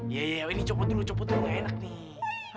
ini copot dulu enggak enak nih